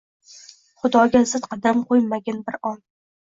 Xudoga zid qadam qo’ymading bir on